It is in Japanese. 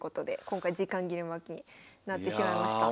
今回時間切れ負けになってしまいました。